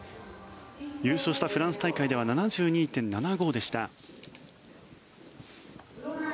優勝したフランス大会では７２．７５でした。